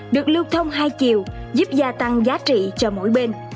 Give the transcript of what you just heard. được lưu thông hai chiều giúp gia tăng giá trị cho mỗi bên